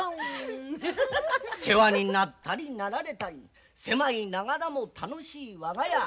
世話になったりなられたり狭いながらも楽しい我が家。